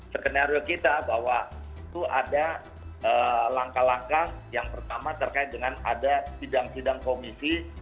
skenario kita bahwa itu ada langkah langkah yang pertama terkait dengan ada sidang sidang komisi